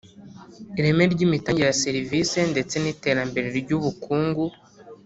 Ireme ry’imitangire ya serivisi ndetse n’ Iterambere ry’ubukungu